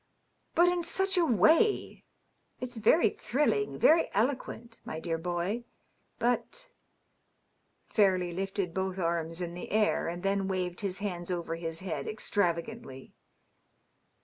But in such a way ! It's very thrilling, very eloquent, my dear boy, but .." Fairleigh lifted both arms in the air and then waved his hands over his head extravagantly.